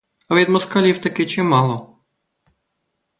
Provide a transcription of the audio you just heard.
А від москалів таки чимало.